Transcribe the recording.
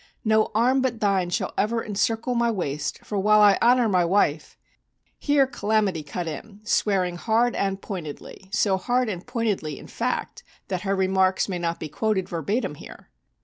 No arm but thine shall ever encircle my waist, for while I honour my wife '" Here "Calamity" cut in, swearing hard and pointedly, so hard and pointedly, in fact, that her remarks may not be quoted verbatim here.